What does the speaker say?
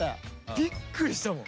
びっくりしたもん。